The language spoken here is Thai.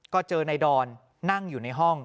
ก็เจอนายดอนนั่งอยู่ในห้อง